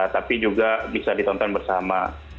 tapi juga bisa ditonton bersama